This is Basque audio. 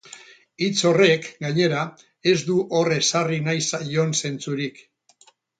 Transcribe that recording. Hitz horrek, gainera, ez du hor ezarri nahi zaion zentzurik.